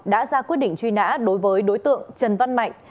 đã ra quyết định truy nã đối với đối tượng trần văn mạnh